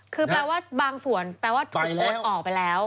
คือแปลว่าบางส่วนแปลว่าถูกโอนออกไปแล้ว